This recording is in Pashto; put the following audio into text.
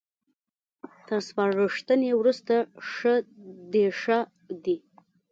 تر سپارښتنې وروسته ښه ديښه دي